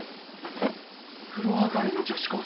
風呂上がりの女子高生。